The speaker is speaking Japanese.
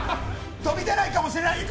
飛び出ないかもしれない。